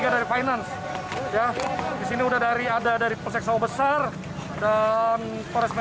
disini ada dari perseksual besar dan pereksmen